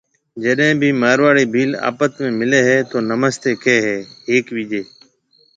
جڏيَ ڀِي مارواڙِي ڀيل آپت ۾ ملي هيَ تو نمستيَ ڪهيَ هيَ هيَڪ ٻِيجيَ۔